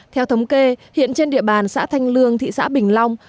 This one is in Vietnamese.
theo thống kê hiện trên địa bàn xã thanh lương thị xã bình long